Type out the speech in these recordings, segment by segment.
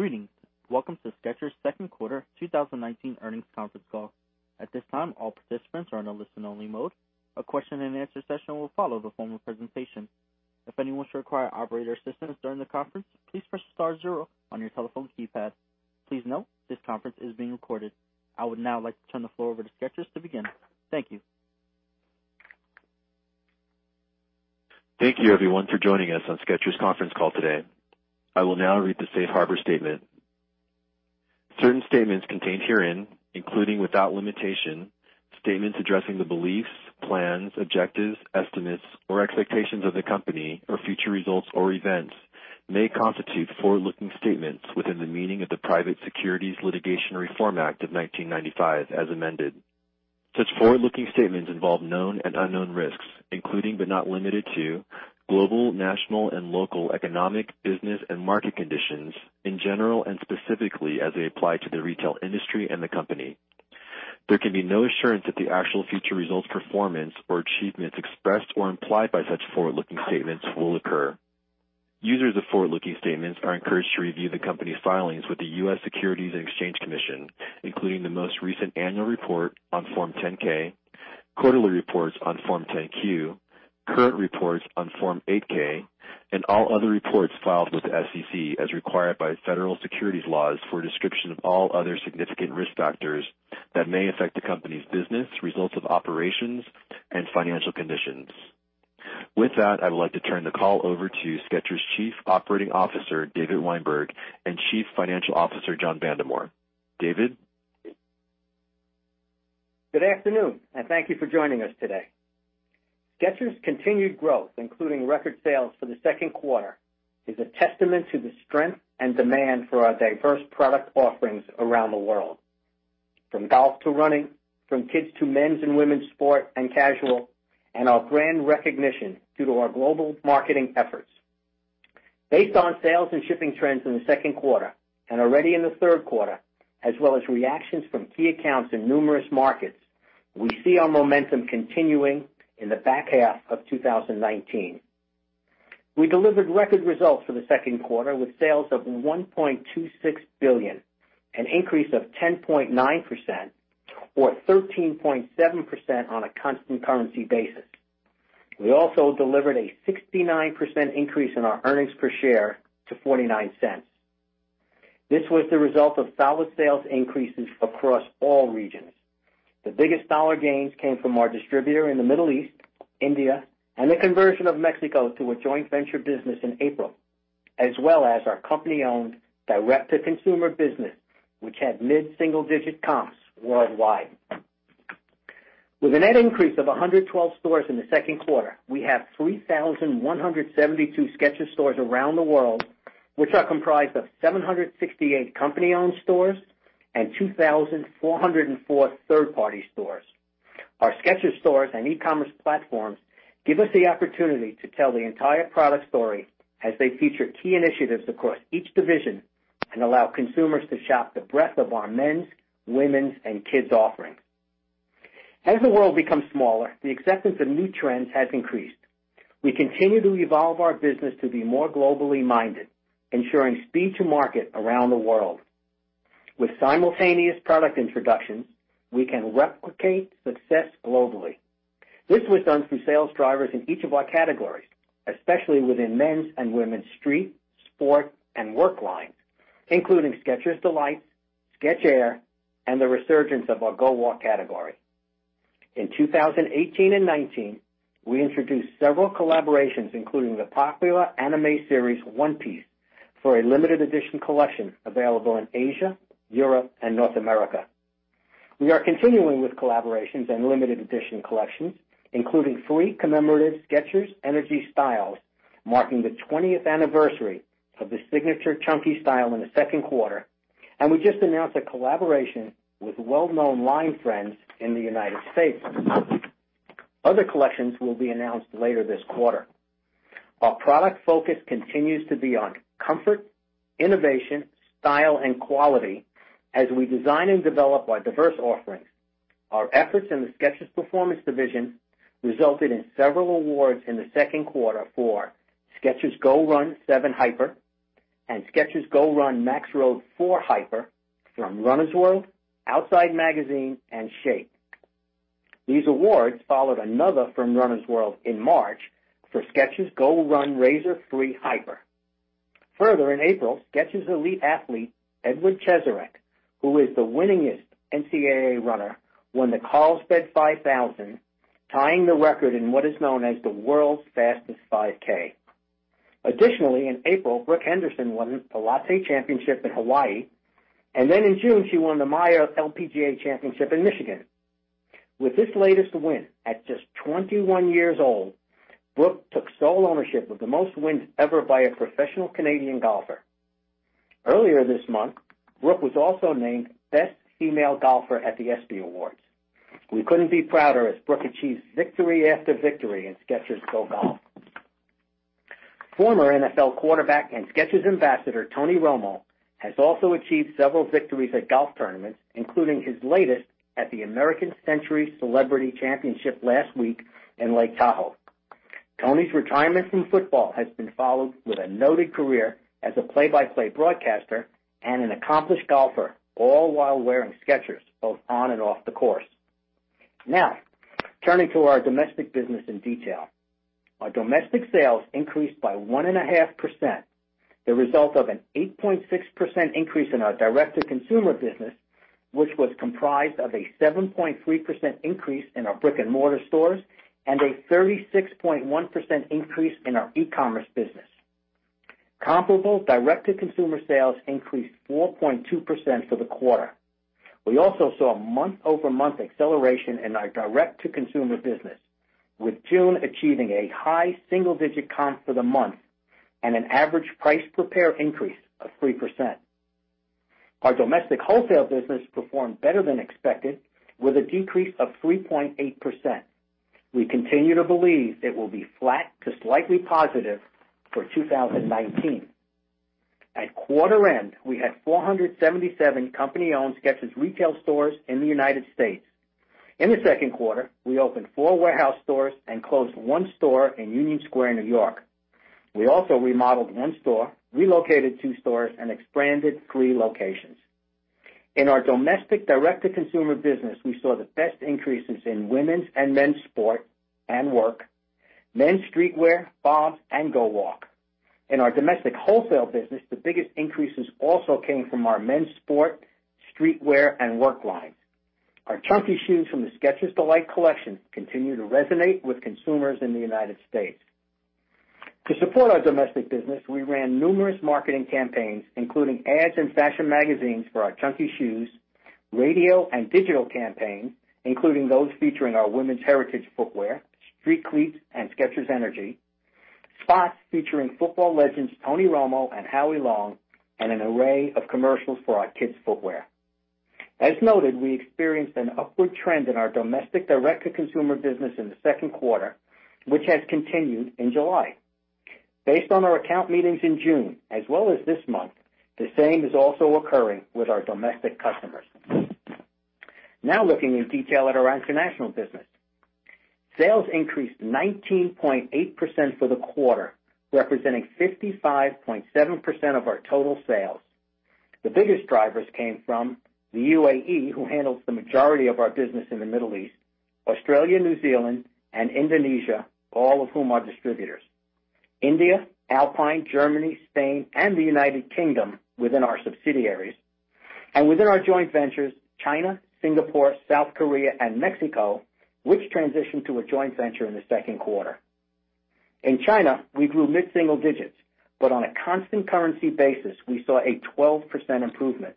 Greetings. Welcome to Skechers' second quarter 2019 earnings conference call. At this time, all participants are in a listen only mode. A question and answer session will follow the formal presentation. If anyone should require operator assistance during the conference, please press star zero on your telephone keypad. Please note this conference is being recorded. I would now like to turn the floor over to Skechers to begin. Thank you. Thank you everyone for joining us on Skechers conference call today. I will now read the Safe Harbor statement. Certain statements contained herein, including without limitation, statements addressing the beliefs, plans, objectives, estimates, or expectations of the company or future results or events, may constitute forward-looking statements within the meaning of the Private Securities Litigation Reform Act of 1995 as amended. Such forward-looking statements involve known and unknown risks, including but not limited to global, national, and local economic business and market conditions in general and specifically as they apply to the retail industry and the company. There can be no assurance that the actual future results, performance, or achievements expressed or implied by such forward-looking statements will occur. Users of forward-looking statements are encouraged to review the company's filings with the U.S. Securities and Exchange Commission, including the most recent annual report on Form 10-K, quarterly reports on Form 10-Q, current reports on Form 8-K, and all other reports filed with the SEC as required by federal securities laws for a description of all other significant risk factors that may affect the company's business, results of operations, and financial conditions. With that, I would like to turn the call over to Skechers Chief Operating Officer, David Weinberg, and Chief Financial Officer, John Vandemore. David? Good afternoon. Thank you for joining us today. Skechers' continued growth, including record sales for the second quarter, is a testament to the strength and demand for our diverse product offerings around the world. From golf to running, from kids to men's and women's sport and casual, and our brand recognition due to our global marketing efforts. Based on sales and shipping trends in the second quarter and already in the third quarter, as well as reactions from key accounts in numerous markets, we see our momentum continuing in the back half of 2019. We delivered record results for the second quarter with sales of $1.26 billion, an increase of 10.9% or 13.7% on a constant currency basis. We also delivered a 69% increase in our earnings per share to $0.49. This was the result of solid sales increases across all regions. The biggest dollar gains came from our distributor in the Middle East, India, and the conversion of Mexico to a joint venture business in April, as well as our company-owned direct-to-consumer business, which had mid-single-digit comps worldwide. With a net increase of 112 stores in the second quarter, we have 3,172 Skechers stores around the world, which are comprised of 768 company-owned stores and 2,404 third-party stores. Our Skechers stores and e-commerce platforms give us the opportunity to tell the entire product story as they feature key initiatives across each division and allow consumers to shop the breadth of our men's, women's, and kids' offerings. As the world becomes smaller, the acceptance of new trends has increased. We continue to evolve our business to be more globally minded, ensuring speed to market around the world. With simultaneous product introductions, we can replicate success globally. This was done through sales drivers in each of our categories, especially within men's and women's street, sport, and work lines, including Skechers D'Lites, Skechers Air, and the resurgence of our GO WALK category. In 2018 and 2019, we introduced several collaborations, including the popular anime series, One Piece, for a limited edition collection available in Asia, Europe, and North America. We are continuing with collaborations and limited edition collections, including three commemorative Skechers Energy styles marking the 20th anniversary of the signature chunky style in the second quarter, and we just announced a collaboration with well-known LINE FRIENDS in the U.S. Other collections will be announced later this quarter. Our product focus continues to be on comfort, innovation, style, and quality as we design and develop our diverse offerings. Our efforts in the Skechers Performance division resulted in several awards in the second quarter for Skechers GO RUN 7 Hyper and Skechers GO RUN Maxroad 4 Hyper from Runner's World, Outside, and SHAPE. These awards followed another from Runner's World in March for Skechers GO RUN Razor 3 Hyper. Further, in April, Skechers elite athlete, Edward Cheserek, who is the winningest NCAA runner, won the Carlsbad 5000, tying the record in what is known as the world's fastest 5K. Additionally, in April, Brooke Henderson won the LOTTE Championship in Hawaii, and then in June, she won the Meijer LPGA Championship in Michigan. With this latest win, at just 21 years old, Brooke took sole ownership of the most wins ever by a professional Canadian golfer. Earlier this month, Brooke was also named best female golfer at the ESPY Awards. We couldn't be prouder as Brooke achieves victory after victory in Skechers GO GOLF. Former NFL quarterback and Skechers ambassador, Tony Romo, has also achieved several victories at golf tournaments, including his latest at the American Century Celebrity Championship last week in Lake Tahoe. Tony's retirement from football has been followed with a noted career as a play-by-play broadcaster and an accomplished golfer, all while wearing Skechers both on and off the course. Now, turning to our domestic business in detail. Our domestic sales increased by 1.5%, the result of an 8.6% increase in our direct-to-consumer business, which was comprised of a 7.3% increase in our brick-and-mortar stores and a 36.1% increase in our e-commerce business. Comparable direct-to-consumer sales increased 4.2% for the quarter. We also saw a month-over-month acceleration in our direct-to-consumer business, with June achieving a high single-digit comp for the month and an average price per pair increase of 3%. Our domestic wholesale business performed better than expected with a decrease of 3.8%. We continue to believe it will be flat to slightly positive for 2019. At quarter end, we had 477 company-owned Skechers retail stores in the U.S. In the second quarter, we opened four warehouse stores and closed one store in Union Square, N.Y. We also remodeled one store, relocated two stores, and expanded three locations. In our domestic direct-to-consumer business, we saw the best increases in women's and men's sport and work, men's streetwear, BOBS, and GO WALK. In our domestic wholesale business, the biggest increases also came from our men's sport, streetwear, and work lines. Our chunky shoes from the Skechers D'Lites collection continue to resonate with consumers in the U.S. To support our domestic business, we ran numerous marketing campaigns, including ads in fashion magazines for our chunky shoes, radio and digital campaigns, including those featuring our women's Heritage footwear, Street Cleats, and Skechers Energy, spots featuring football legends Tony Romo and Howie Long, and an array of commercials for our kids' footwear. As noted, we experienced an upward trend in our domestic direct-to-consumer business in the second quarter, which has continued in July. Based on our account meetings in June as well as this month, the same is also occurring with our domestic customers. Looking in detail at our international business. Sales increased 19.8% for the quarter, representing 55.7% of our total sales. The biggest drivers came from the UAE, who handles the majority of our business in the Middle East; Australia, New Zealand, and Indonesia, all of whom are distributors; India, Alpine, Germany, Spain, and the U.K. within our subsidiaries; and within our joint ventures, China, Singapore, South Korea, and Mexico, which transitioned to a joint venture in the second quarter. In China, we grew mid-single digits, but on a constant currency basis, we saw a 12% improvement.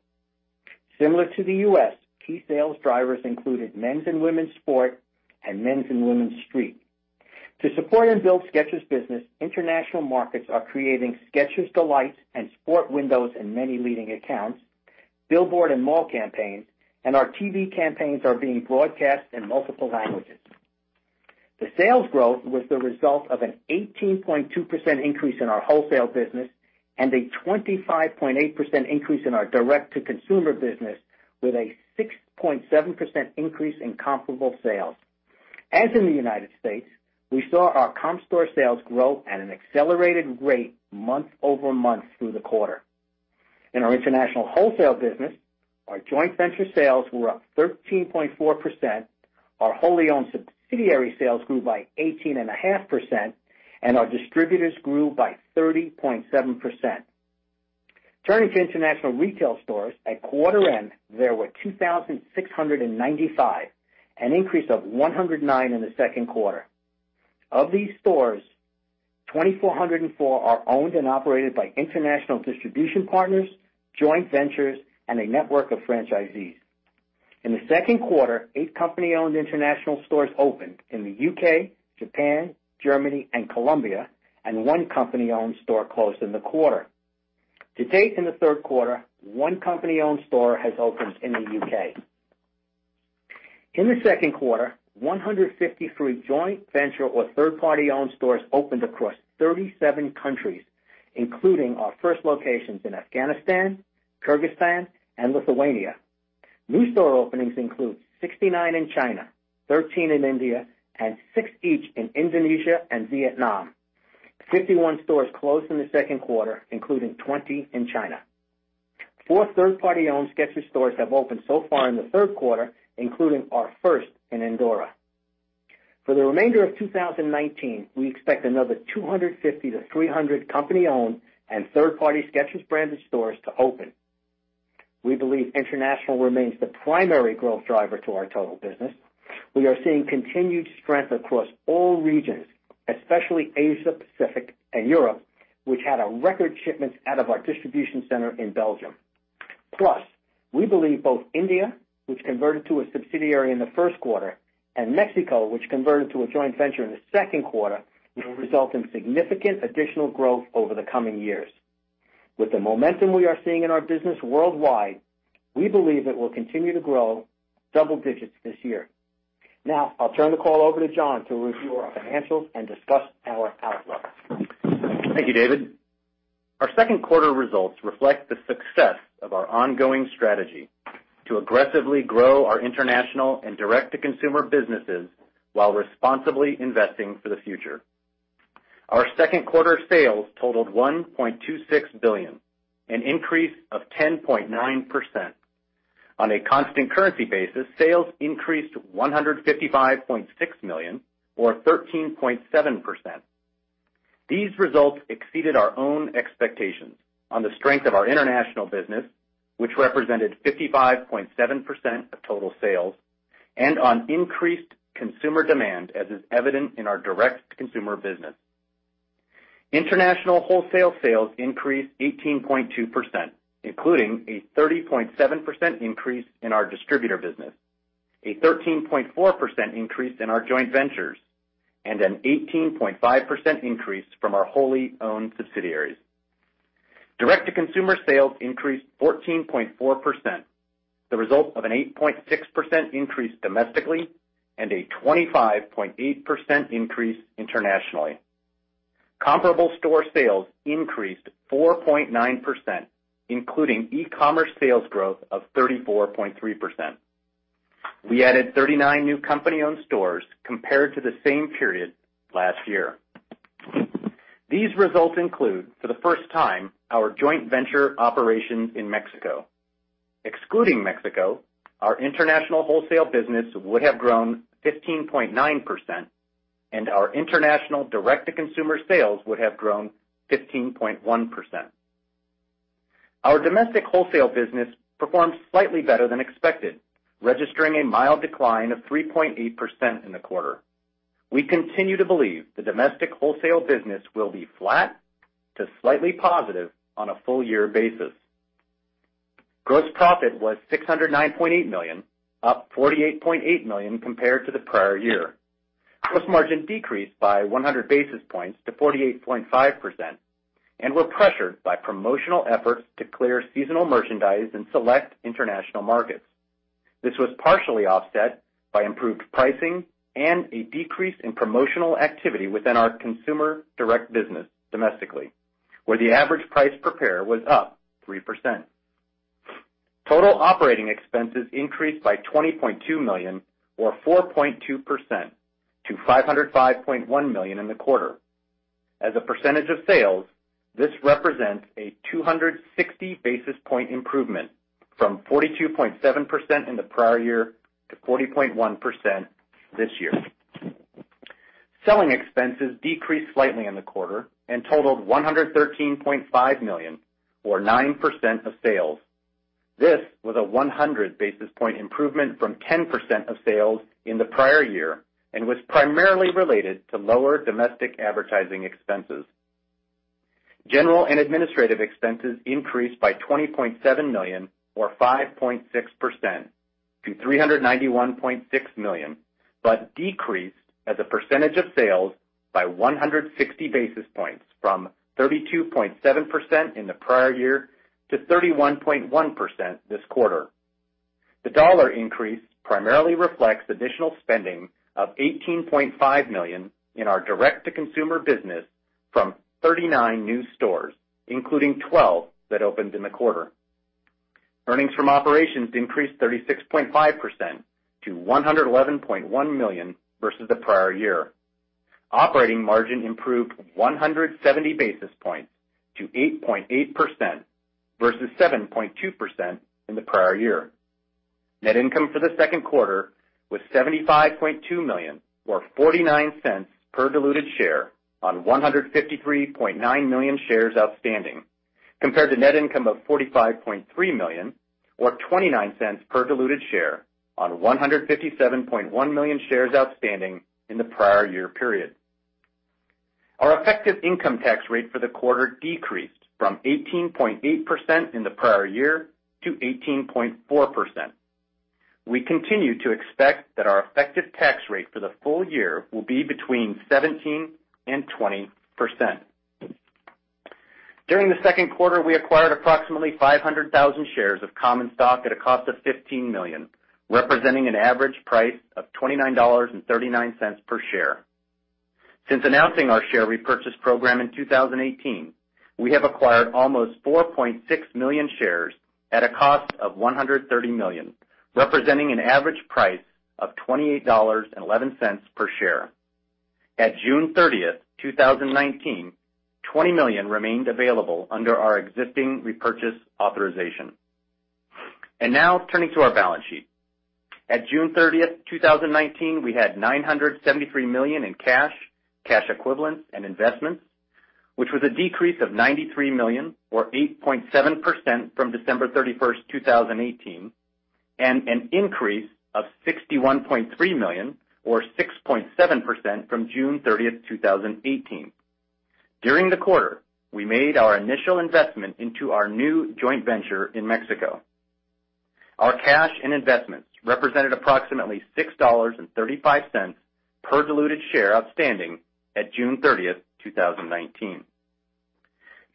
Similar to the U.S., key sales drivers included men's and women's sport and men's and women's street. To support and build Skechers business, international markets are creating Skechers D'Lites and sport windows in many leading accounts, billboard and mall campaigns, and our TV campaigns are being broadcast in multiple languages. The sales growth was the result of an 18.2% increase in our wholesale business and a 25.8% increase in our direct-to-consumer business, with a 6.7% increase in comparable sales. As in the U.S., we saw our comp store sales grow at an accelerated rate month-over-month through the quarter. In our international wholesale business, our joint venture sales were up 13.4%, our wholly owned subsidiary sales grew by 18.5%, and our distributors grew by 30.7%. Turning to international retail stores, at quarter end, there were 2,695, an increase of 109 in the second quarter. Of these stores, 2,404 are owned and operated by international distribution partners, joint ventures, and a network of franchisees. In the second quarter, eight company-owned international stores opened in the U.K., Japan, Germany, and Colombia, and one company-owned store closed in the quarter. To date, in the third quarter, one company-owned store has opened in the U.K. In the second quarter, 153 joint venture or third-party owned stores opened across 37 countries, including our first locations in Afghanistan, Kyrgyzstan, and Lithuania. New store openings include 69 in China, 13 in India, and six each in Indonesia and Vietnam. 51 stores closed in the second quarter, including 20 in China. Four third-party owned Skechers stores have opened so far in the third quarter, including our first in Andorra. For the remainder of 2019, we expect another 250 to 300 company-owned and third-party Skechers-branded stores to open. We believe international remains the primary growth driver to our total business. We are seeing continued strength across all regions, especially Asia Pacific and Europe, which had a record shipment out of our distribution center in Belgium. We believe both India, which converted to a subsidiary in the first quarter, and Mexico, which converted to a joint venture in the second quarter, will result in significant additional growth over the coming years. With the momentum we are seeing in our business worldwide, we believe it will continue to grow double digits this year. Now, I'll turn the call over to John to review our financials and discuss our outlook. Thank you, David. Our second quarter results reflect the success of our ongoing strategy to aggressively grow our international and direct-to-consumer businesses while responsibly investing for the future. Our second quarter sales totaled $1.26 billion, an increase of 10.9%. On a constant currency basis, sales increased to $155.6 million or 13.7%. These results exceeded our own expectations on the strength of our international business, which represented 55.7% of total sales and on increased consumer demand, as is evident in our direct-to-consumer business. International wholesale sales increased 18.2%, including a 30.7% increase in our distributor business, a 13.4% increase in our joint ventures, and an 18.5% increase from our wholly owned subsidiaries. Direct-to-consumer sales increased 14.4%, the result of an 8.6% increase domestically and a 25.8% increase internationally. Comparable store sales increased 4.9%, including e-commerce sales growth of 34.3%. We added 39 new company-owned stores compared to the same period last year. These results include, for the first time, our joint venture operations in Mexico. Excluding Mexico, our international wholesale business would have grown 15.9% and our international direct-to-consumer sales would have grown 15.1%. Our domestic wholesale business performed slightly better than expected, registering a mild decline of 3.8% in the quarter. We continue to believe the domestic wholesale business will be flat to slightly positive on a full year basis. Gross profit was $609.8 million, up $48.8 million compared to the prior year. Gross margin decreased by 100 basis points to 48.5% and were pressured by promotional efforts to clear seasonal merchandise in select international markets. This was partially offset by improved pricing and a decrease in promotional activity within our consumer direct business domestically, where the average price per pair was up 3%. Total operating expenses increased by $20.2 million or 4.2% to $505.1 million in the quarter. As a percentage of sales, this represents a 260 basis point improvement from 42.7% in the prior year to 40.1% this year. Selling expenses decreased slightly in the quarter and totaled $113.5 million or 9% of sales. This was a 100 basis point improvement from 10% of sales in the prior year and was primarily related to lower domestic advertising expenses. General and administrative expenses increased by $20.7 million or 5.6% to $391.6 million, decreased as a percentage of sales by 160 basis points from 32.7% in the prior year to 31.1% this quarter. The dollar increase primarily reflects additional spending of $18.5 million in our direct-to-consumer business from 39 new stores, including 12 that opened in the quarter. Earnings from operations increased 36.5% to $111.1 million versus the prior year. Operating margin improved 170 basis points to 8.8% versus 7.2% in the prior year. Net income for the second quarter was $75.2 million or $0.49 per diluted share on 153.9 million shares outstanding compared to net income of $45.3 million or $0.29 per diluted share on 157.1 million shares outstanding in the prior year period. Our effective income tax rate for the quarter decreased from 18.8% in the prior year to 18.4%. We continue to expect that our effective tax rate for the full year will be between 17% and 20%. During the second quarter, we acquired approximately 500,000 shares of common stock at a cost of $15 million, representing an average price of $29.39 per share. Since announcing our share repurchase program in 2018, we have acquired almost 4.6 million shares at a cost of $130 million, representing an average price of $28.11 per share. At June 30th, 2019, $20 million remained available under our existing repurchase authorization. Now turning to our balance sheet. At June 30th, 2019, we had $973 million in cash equivalents, and investments, which was a decrease of $93 million or 8.7% from December 31st, 2018, and an increase of $61.3 million or 6.7% from June 30th, 2018. During the quarter, we made our initial investment into our new joint venture in Mexico. Our cash and investments represented approximately $6.35 per diluted share outstanding at June 30th, 2019.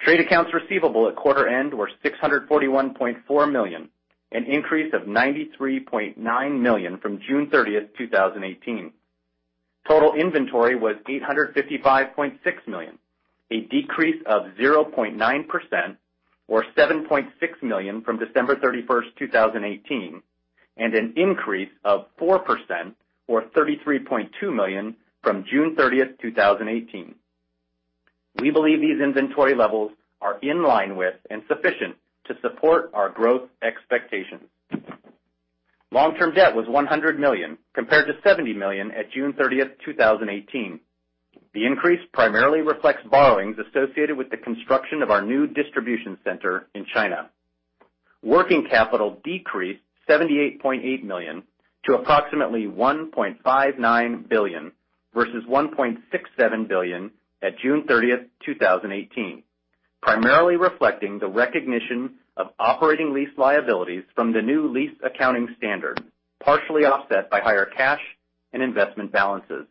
Trade accounts receivable at quarter end were $641.4 million, an increase of $93.9 million from June 30th, 2018. Total inventory was $855.6 million, a decrease of 0.9% or $7.6 million from December 31st, 2018, and an increase of 4% or $33.2 million from June 30th, 2018. We believe these inventory levels are in line with and sufficient to support our growth expectations. Long-term debt was $100 million compared to $70 million at June 30th, 2018. The increase primarily reflects borrowings associated with the construction of our new distribution center in China. Working capital decreased $78.8 million to approximately $1.59 billion, versus $1.67 billion at June 30th, 2018, primarily reflecting the recognition of operating lease liabilities from the new lease accounting standard, partially offset by higher cash and investment balances.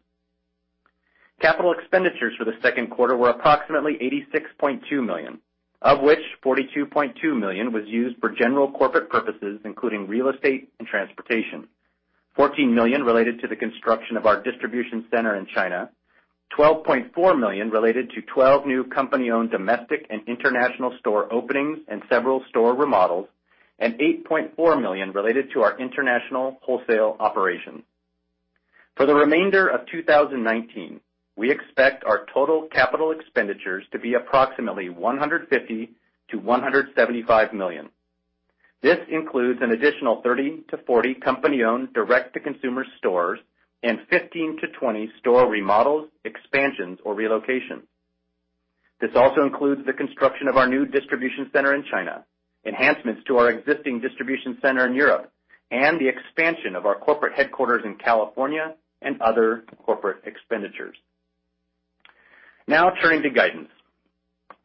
Capital expenditures for the second quarter were approximately $86.2 million, of which $42.2 million was used for general corporate purposes, including real estate and transportation. $14 million related to the construction of our distribution center in China, $12.4 million related to 12 new company-owned domestic and international store openings and several store remodels, and $8.4 million related to our international wholesale operations. For the remainder of 2019, we expect our total capital expenditures to be approximately $150 million-$175 million. This includes an additional 30-40 company-owned direct-to-consumer stores and 15-20 store remodels, expansions, or relocations. This also includes the construction of our new distribution center in China, enhancements to our existing distribution center in Europe, and the expansion of our corporate headquarters in California and other corporate expenditures. Turning to guidance.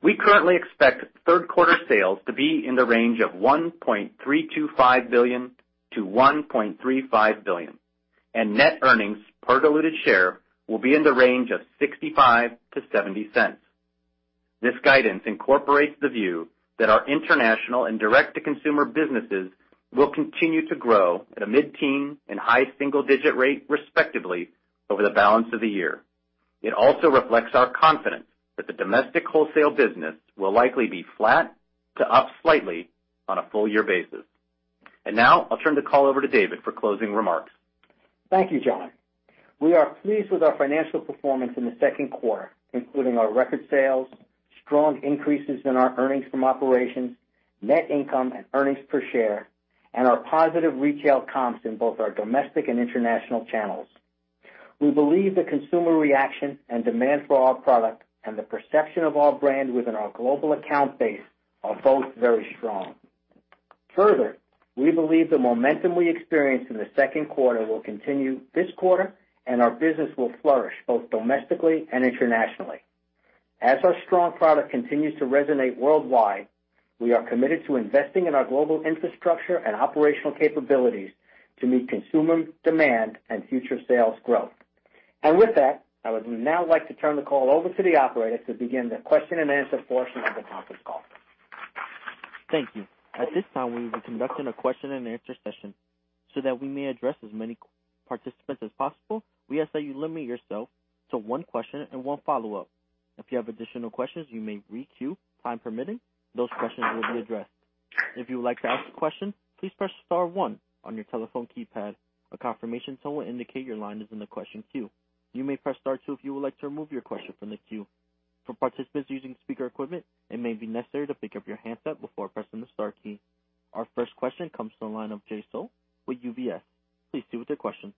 We currently expect third quarter sales to be in the range of $1.325 billion-$1.35 billion, and net earnings per diluted share will be in the range of $0.65-$0.70. This guidance incorporates the view that our international and direct-to-consumer businesses will continue to grow at a mid-teen and high single-digit rate, respectively, over the balance of the year. It also reflects our confidence that the domestic wholesale business will likely be flat to up slightly on a full year basis. Now I'll turn the call over to David for closing remarks. Thank you, John. We are pleased with our financial performance in the second quarter, including our record sales, strong increases in our earnings from operations, net income and earnings per share, and our positive retail comps in both our domestic and international channels. We believe the consumer reaction and demand for our product and the perception of our brand within our global account base are both very strong. Further, we believe the momentum we experienced in the second quarter will continue this quarter, and our business will flourish both domestically and internationally. As our strong product continues to resonate worldwide, we are committed to investing in our global infrastructure and operational capabilities to meet consumer demand and future sales growth. With that, I would now like to turn the call over to the operator to begin the question and answer portion of the conference call. Thank you. At this time, we will be conducting a question and answer session. That we may address as many participants as possible, we ask that you limit yourself to one question and one follow-up. If you have additional questions, you may re-queue, time permitting. Those questions will be addressed. If you would like to ask a question, please press star one on your telephone keypad. A confirmation tone will indicate your line is in the question queue. You may press star two if you would like to remove your question from the queue. For participants using speaker equipment, it may be necessary to pick up your handset before pressing the star key. Our first question comes from the line of Jay Sole with UBS. Please proceed with your question.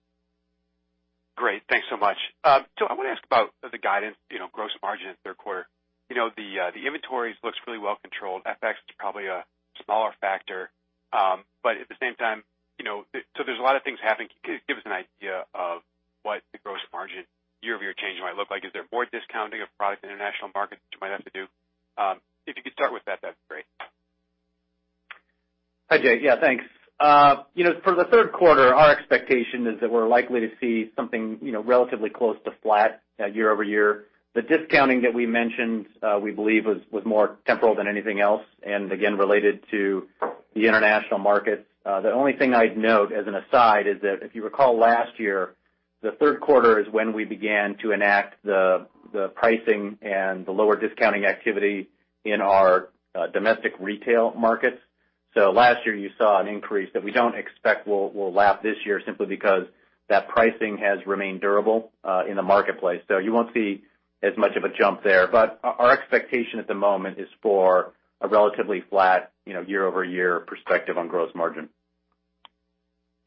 Great. Thanks so much. I want to ask about the guidance, gross margin in the third quarter. The inventories looks really well controlled. FX is probably a smaller factor. At the same time, there's a lot of things happening. Can you give us an idea of what the gross margin year-over-year change might look like? Is there more discounting of products in international markets, which you might have to do? If you could start with that'd be great. Hi, Jay. Yeah, thanks. For the third quarter, our expectation is that we're likely to see something relatively close to flat year-over-year. The discounting that we mentioned, we believe, was more temporal than anything else, and again, related to the international markets. The only thing I'd note as an aside is that if you recall last year, the third quarter is when we began to enact the pricing and the lower discounting activity in our domestic retail markets. Last year you saw an increase that we don't expect will lap this year simply because that pricing has remained durable in the marketplace. You won't see as much of a jump there. Our expectation at the moment is for a relatively flat year-over-year perspective on gross margin.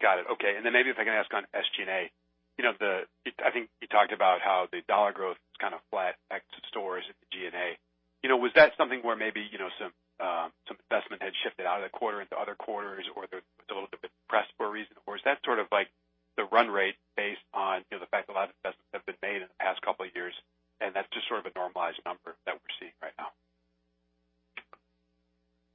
Got it. Okay. Then maybe if I can ask on SG&A. I think you talked about how the dollar growth is kind of flat ex stores at the G&A. Was that something where maybe some investment had shifted out of the quarter into other quarters, or was it a little bit depressed for a reason? Or is that sort of like the run rate based on the fact that a lot of investments have been made in the past couple of years and that's just sort of a normalized number that we're seeing right now?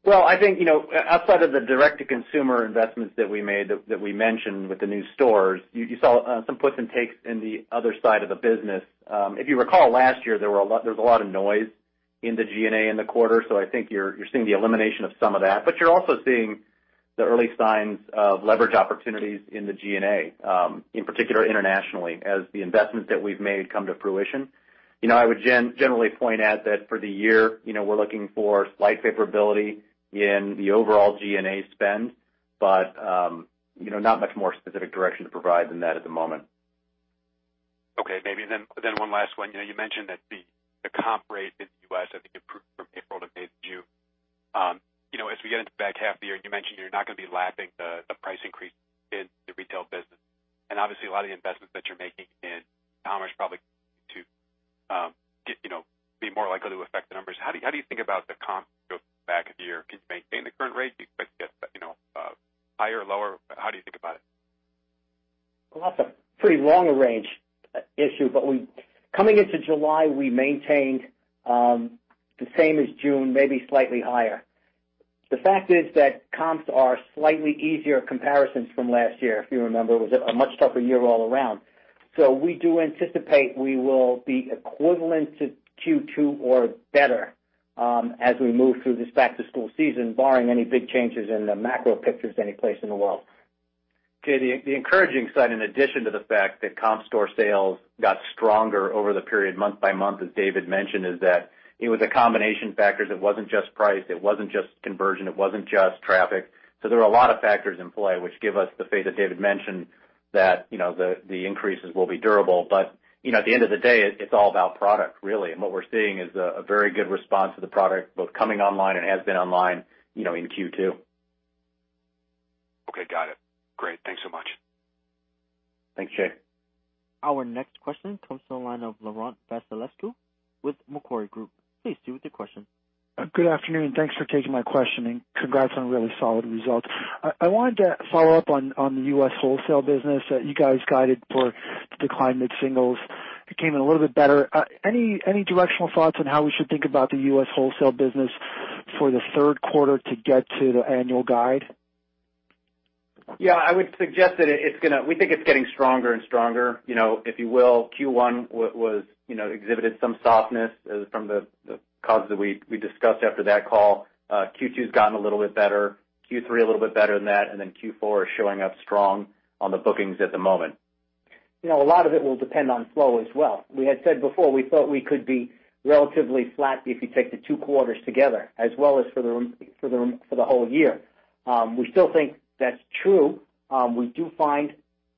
Well, I think, outside of the direct-to-consumer investments that we made, that we mentioned with the new stores, you saw some puts and takes in the other side of the business. If you recall last year, there was a lot of noise in the G&A in the quarter. I think you're seeing the elimination of some of that, but you're also seeing the early signs of leverage opportunities in the G&A, in particular internationally, as the investments that we've made come to fruition. I would generally point out that for the year, we're looking for slight favorability in the overall G&A spend, but not much more specific direction to provide than that at the moment. Okay. Maybe one last one. You mentioned that the comp rate in the U.S., I think, improved from April to May to June. As we get into the back half of the year, you mentioned you're not going to be lapping the price increase in the retail business. Obviously, a lot of the investments that you're making in commerce probably to be more likely to affect the numbers. How do you think about the comp through the back of the year? Can you maintain the current rate? Do you expect to get higher or lower? How do you think about it? Well, that's a pretty long-range issue, coming into July, we maintained the same as June, maybe slightly higher. The fact is that comps are slightly easier comparisons from last year. If you remember, it was a much tougher year all around. We do anticipate we will be equivalent to Q2 or better as we move through this back-to-school season, barring any big changes in the macro pictures anyplace in the world. Jay, the encouraging side, in addition to the fact that comp store sales got stronger over the period month by month, as David mentioned, is that it was a combination of factors. It wasn't just price, it wasn't just conversion, it wasn't just traffic. There were a lot of factors in play, which give us the faith that David mentioned that the increases will be durable. At the end of the day, it's all about product, really. What we're seeing is a very good response to the product, both coming online and has been online in Q2. Okay, got it. Great. Thanks so much. Thanks, Jay. Our next question comes from the line of Laurent Vasilescu with Macquarie Group. Please do with your question. Good afternoon. Thanks for taking my question, and congrats on a really solid result. I wanted to follow up on the U.S. wholesale business that you guys guided for decline mid-singles. It came in a little bit better. Any directional thoughts on how we should think about the U.S. wholesale business for the third quarter to get to the annual guide? Yeah, I would suggest that we think it's getting stronger and stronger. If you will, Q1 exhibited some softness from the causes that we discussed after that call. Q2's gotten a little bit better, Q3 a little bit better than that. Q4 is showing up strong on the bookings at the moment. A lot of it will depend on flow as well. We had said before, we thought we could be relatively flat if you take the two quarters together as well as for the whole year. We still think that's true. We do find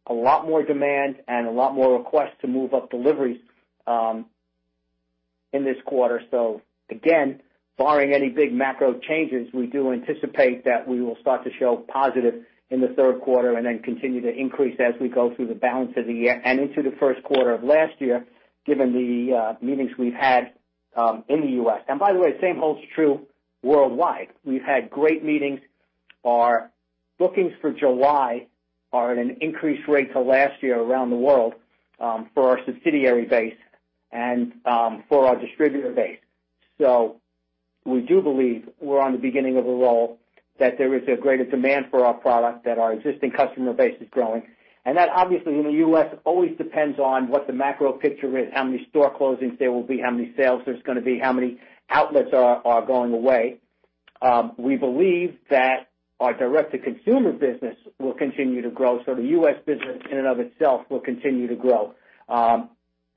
a lot more demand and a lot more requests to move up deliveries in this quarter. Again, barring any big macro changes, we do anticipate that we will start to show positive in the third quarter and then continue to increase as we go through the balance of the year and into the first quarter of last year, given the meetings we've had in the U.S. By the way, the same holds true worldwide. We've had great meetings. Our bookings for July are at an increased rate to last year around the world for our subsidiary base and for our distributor base. We do believe we're on the beginning of a roll, that there is a greater demand for our product, that our existing customer base is growing, and that obviously in the U.S., always depends on what the macro picture is, how many store closings there will be, how many sales there's going to be, how many outlets are going away. We believe that our direct-to-consumer business will continue to grow. The U.S. business in and of itself will continue to grow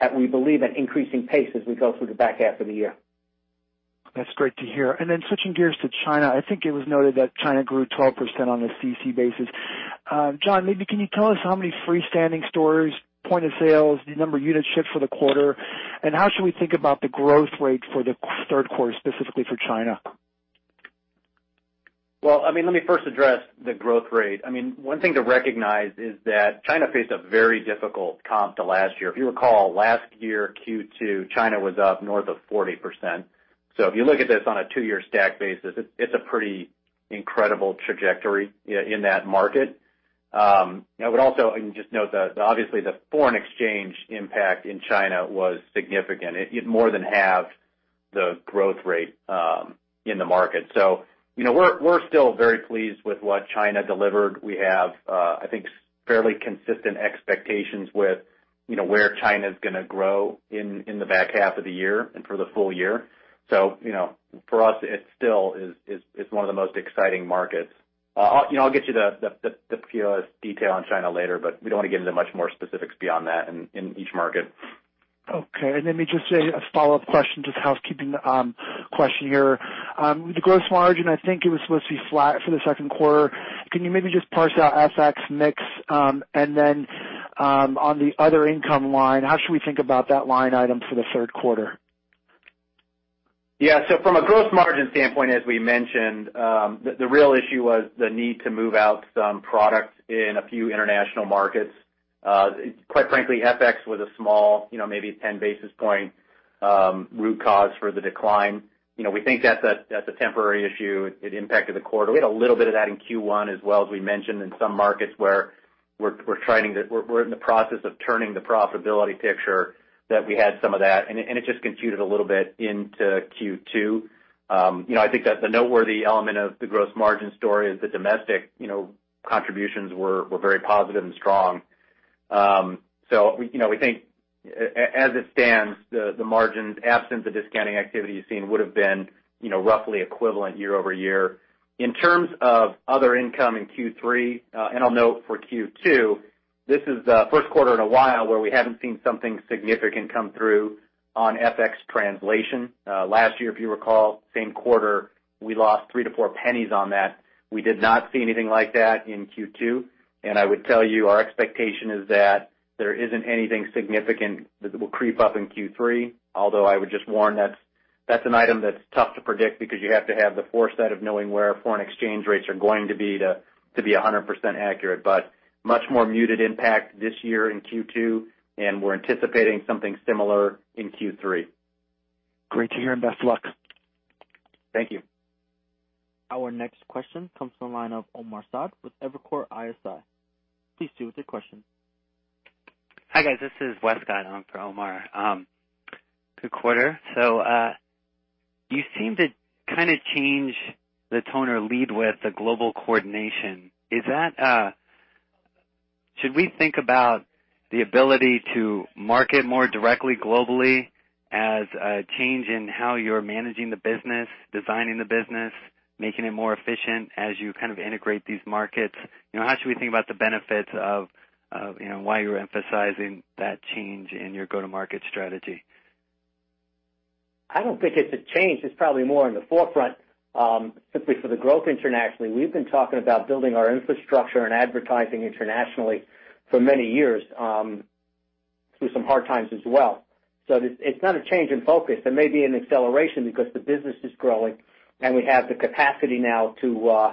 at, we believe, an increasing pace as we go through the back half of the year. That's great to hear. Switching gears to China, I think it was noted that China grew 12% on a CC basis. John, maybe can you tell us how many freestanding stores, point of sales, the number of units shipped for the quarter, and how should we think about the growth rate for the third quarter, specifically for China? Let me first address the growth rate. One thing to recognize is that China faced a very difficult comp to last year. If you recall, last year, Q2, China was up north of 40%. If you look at this on a two-year stack basis, it's a pretty incredible trajectory in that market. I would also just note that obviously the foreign exchange impact in China was significant. It more than halved the growth rate in the market. We're still very pleased with what China delivered. We have, I think fairly consistent expectations with where China's going to grow in the back half of the year and for the full year. For us, it still is one of the most exciting markets. I'll get you the POS detail on China later, we don't want to get into much more specifics beyond that in each market. Let me just say a follow-up question, just a housekeeping question here. The gross margin, I think it was supposed to be flat for the second quarter. Can you maybe just parse out FX mix, on the other income line, how should we think about that line item for the third quarter? From a gross margin standpoint, as we mentioned, the real issue was the need to move out some products in a few international markets. Quite frankly, FX was a small, maybe 10 basis point root cause for the decline. We think that's a temporary issue. It impacted the quarter. We had a little bit of that in Q1 as well, as we mentioned, in some markets where we're in the process of turning the profitability picture that we had some of that, it just continued a little bit into Q2. I think that the noteworthy element of the gross margin story is the domestic contributions were very positive and strong. We think as it stands, the margins, absent the discounting activity you've seen, would've been roughly equivalent year-over-year. In terms of other income in Q3, I'll note for Q2, this is the first quarter in a while where we haven't seen something significant come through on FX translation. Last year, if you recall, same quarter, we lost $0.03-$0.04 on that. We did not see anything like that in Q2, I would tell you our expectation is that there isn't anything significant that will creep up in Q3. Although I would just warn that's an item that's tough to predict because you have to have the foresight of knowing where foreign exchange rates are going to be to be 100% accurate. Much more muted impact this year in Q2, we're anticipating something similar in Q3. Great to hear and best of luck. Thank you. Our next question comes from the line of Omar Saad with Evercore ISI. Please proceed with your question. Hi, guys. This is Wes Godelong for Omar. Good quarter. You seem to kind of change the tone or lead with the global coordination. Should we think about the ability to market more directly globally as a change in how you're managing the business, designing the business, making it more efficient as you kind of integrate these markets? How should we think about the benefits of why you're emphasizing that change in your go-to-market strategy? I don't think it's a change. It's probably more in the forefront. Simply for the growth internationally, we've been talking about building our infrastructure and advertising internationally for many years, through some hard times as well. It's not a change in focus. It may be an acceleration because the business is growing, and we have the capacity now to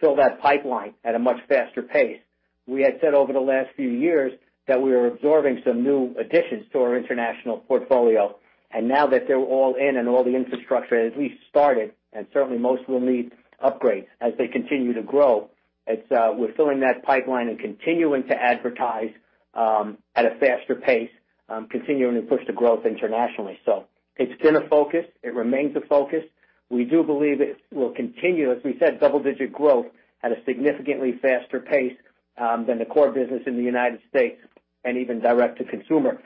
fill that pipeline at a much faster pace. We had said over the last few years that we were absorbing some new additions to our international portfolio, and now that they're all in and all the infrastructure has at least started, and certainly most will need upgrades as they continue to grow, we're filling that pipeline and continuing to advertise at a faster pace, continuing to push the growth internationally. It's been a focus. It remains a focus. We do believe it will continue, as we said, double-digit growth at a significantly faster pace than the core business in the U.S. and even direct-to-consumer.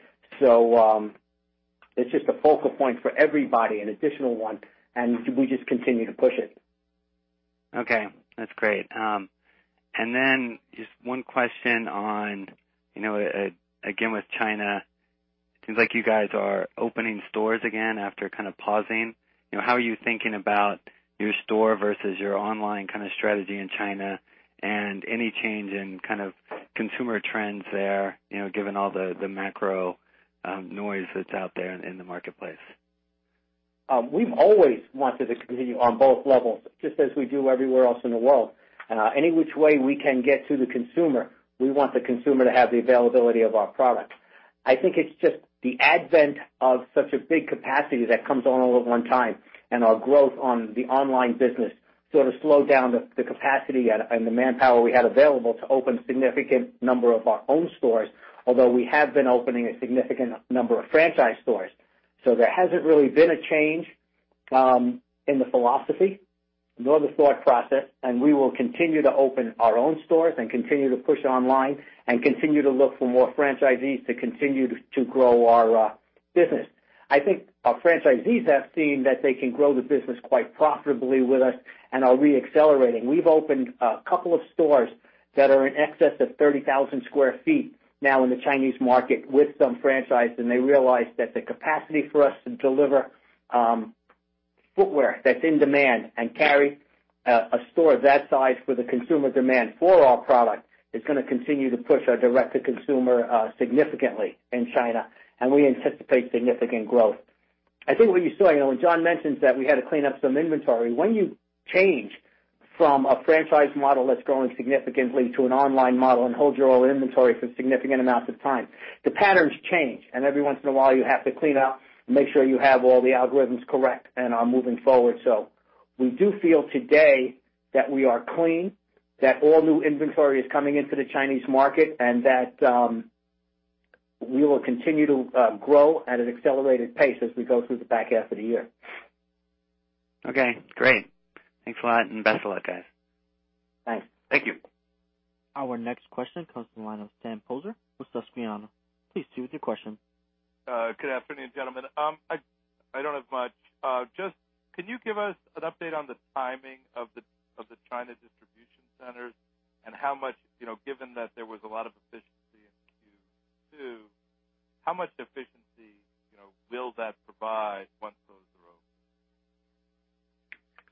It's just a focal point for everybody, an additional one, and we just continue to push it. Okay. That's great. Just one question on, again, with China. It seems like you guys are opening stores again after kind of pausing. How are you thinking about your store versus your online kind of strategy in China and any change in kind of consumer trends there given all the macro noise that's out there in the marketplace? We've always wanted to continue on both levels, just as we do everywhere else in the world. Any which way we can get to the consumer, we want the consumer to have the availability of our product. I think it's just the advent of such a big capacity that comes on all at one time, and our growth on the online business sort of slowed down the capacity and the manpower we had available to open a significant number of our own stores. Although we have been opening a significant number of franchise stores. There hasn't really been a change in the philosophy nor the thought process, and we will continue to open our own stores and continue to push online and continue to look for more franchisees to continue to grow our business. I think our franchisees have seen that they can grow the business quite profitably with us and are re-accelerating. We've opened a couple of stores that are in excess of 30,000 square feet now in the Chinese market with some franchisees, and they realize that the capacity for us to deliver footwear that's in demand and carry a store that size for the consumer demand for our product is going to continue to push our direct-to-consumer significantly in China. We anticipate significant growth. I think what you saw, when John mentions that we had to clean up some inventory, when you change from a franchise model that's growing significantly to an online model and hold your own inventory for significant amounts of time, the patterns change. Every once in a while, you have to clean up and make sure you have all the algorithms correct and are moving forward. We do feel today that we are clean, that all new inventory is coming into the Chinese market, and that we will continue to grow at an accelerated pace as we go through the back half of the year. Okay, great. Thanks a lot and best of luck, guys. Thanks. Thank you. Our next question comes from the line of Sam Poser with Susquehanna. Please proceed with your question. Good afternoon, gentlemen. I don't have much. Just, can you give us an update on the timing of the China distribution centers and how much, given that there was a lot of efficiency in Q2, how much efficiency will that provide once those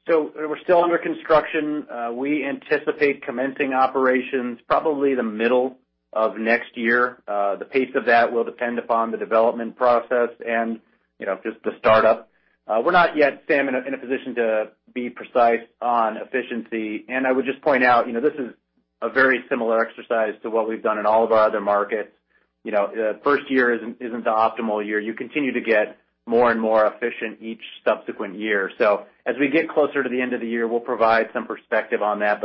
are open? We're still under construction. We anticipate commencing operations probably the middle of next year. The pace of that will depend upon the development process and just the startup. We're not yet, Sam, in a position to be precise on efficiency. I would just point out, this is a very similar exercise to what we've done in all of our other markets. First year isn't the optimal year. You continue to get more and more efficient each subsequent year. As we get closer to the end of the year, we'll provide some perspective on that.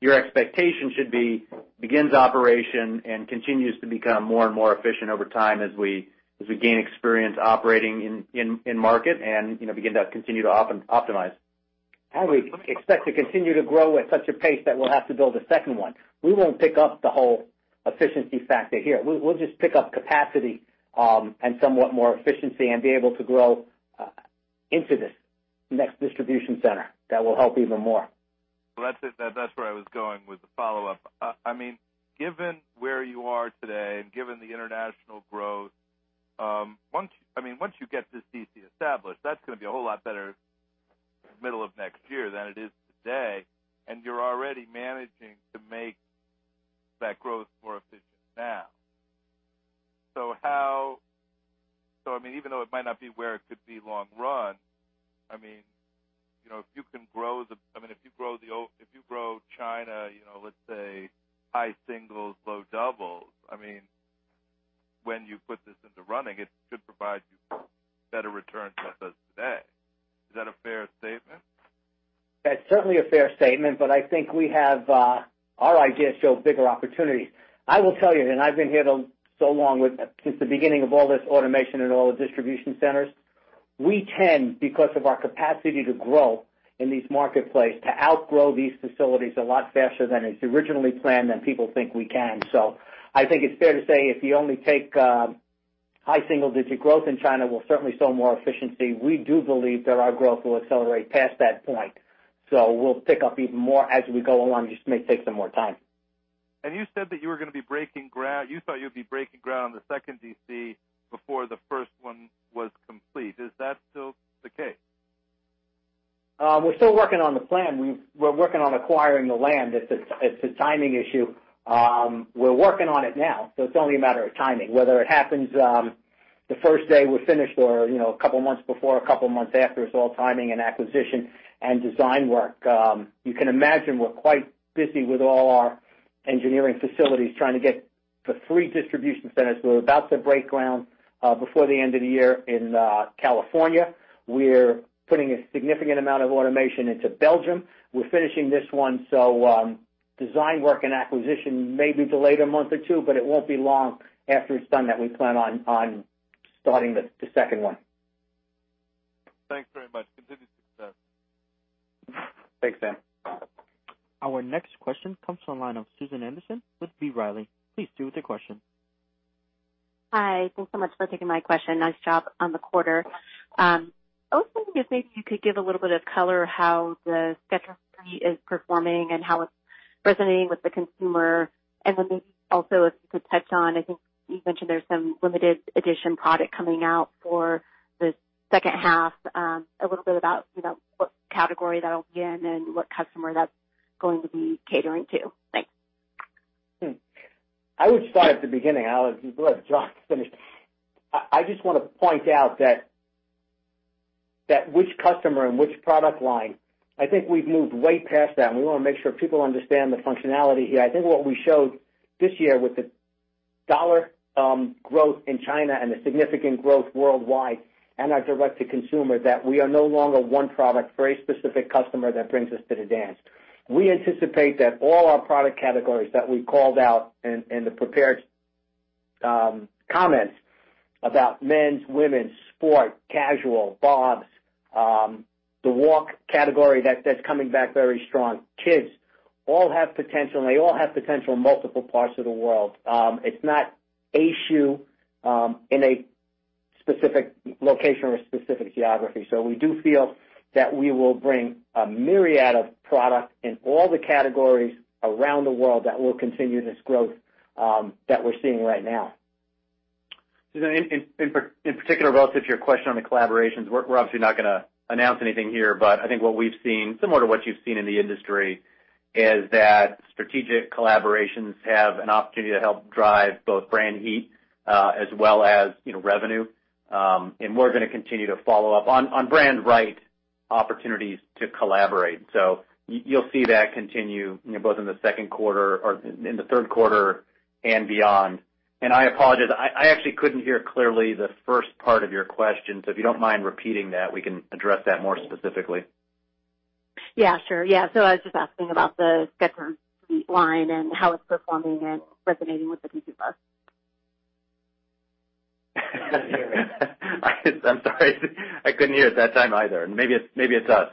Your expectation should be, begins operation and continues to become more and more efficient over time as we gain experience operating in market and begin to continue to optimize. How do we expect to continue to grow at such a pace that we'll have to build a second one? We won't pick up the whole efficiency factor here. We'll just pick up capacity and somewhat more efficiency and be able to grow into this next distribution center. That will help even more. Well, that's it. That's where I was going with the follow-up. Given where you are today and given the international growth, once you get this DC established, that's going to be a whole lot better middle of next year than it is today, and you're already managing to make that growth more efficient now. Even though it might not be where it could be long run, if you grow China, let's say, high singles, low doubles, when you put this into running, it should provide you better returns than it does today. Is that a fair statement? That's certainly a fair statement, but I think our ideas show bigger opportunities. I will tell you, and I've been here so long, since the beginning of all this automation and all the distribution centers, we tend, because of our capacity to grow in these marketplace, to outgrow these facilities a lot faster than it's originally planned and people think we can. I think it's fair to say if you only take high single-digit growth in China, we'll certainly show more efficiency. We do believe that our growth will accelerate past that point. We'll pick up even more as we go along. It just may take some more time. You said that you thought you'd be breaking ground on the second DC before the first one was complete. Is that still the case? We're still working on the plan. We're working on acquiring the land. It's a timing issue. We're working on it now, it's only a matter of timing. Whether it happens the first day we're finished or a couple of months before, a couple of months after, it's all timing and acquisition and design work. You can imagine we're quite busy with all our engineering facilities, trying to get the three distribution centers. We're about to break ground before the end of the year in California. We're putting a significant amount of automation into Belgium. We're finishing this one, design work and acquisition may be delayed a month or two, but it won't be long after it's done that we plan on starting the second one. Thanks very much. Continued success. Thanks, Sam. Our next question comes from the line of Susan Anderson with B. Riley. Please do with your question. Hi. Thanks so much for taking my question. Nice job on the quarter. I was thinking if maybe you could give a little bit of color how the Skechers Street is performing and how it's resonating with the consumer. Then maybe also if you could touch on, I think you mentioned there's some limited edition product coming out for the second half, a little bit about what category that'll be in and what customer that's going to be catering to. Thanks. I would start at the beginning. I'll let John finish. I just want to point out that which customer and which product line, I think we've moved way past that, and we want to make sure people understand the functionality here. I think what we showed this year with the dollar growth in China and the significant growth worldwide and our direct-to-consumer, that we are no longer one product for a specific customer that brings us to the dance. We anticipate that all our product categories that we called out in the prepared comments about men's, women's, sport, casual, BOBS, the walk category that's coming back very strong, kids, all have potential, and they all have potential in multiple parts of the world. It's not a shoe in a specific location or a specific geography. We do feel that we will bring a myriad of product in all the categories around the world that will continue this growth that we're seeing right now. Susan, in particular, relative to your question on the collaborations, we're obviously not going to announce anything here, but I think what we've seen, similar to what you've seen in the industry, is that strategic collaborations have an opportunity to help drive both brand heat as well as revenue. We're going to continue to follow up on brand right opportunities to collaborate. You'll see that continue both in the second quarter or in the third quarter and beyond. I apologize, I actually couldn't hear clearly the first part of your question. If you don't mind repeating that, we can address that more specifically. Yeah, sure. I was just asking about the Skechers Street line and how it's performing and resonating with the consumer class. I'm sorry. I couldn't hear it that time either. Maybe it's us.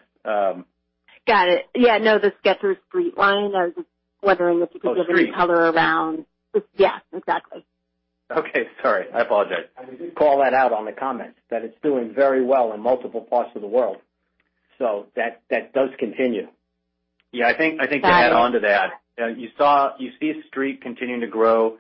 Got it. Yeah, no, the Skechers Street line. I was just wondering if you could give any color around. Oh, Street. Yeah, exactly. Okay. Sorry. I apologize. We did call that out on the comments, that it's doing very well in multiple parts of the world. That does continue. Yeah, I think to add on to that. You see Skechers Street continuing to grow, Skechers